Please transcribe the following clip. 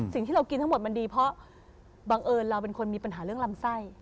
สิ่งที่เรากินทั้งหมดมันดีเพราะบังเอิญเราเป็นคนมีปัญหาเรื่องลำไส้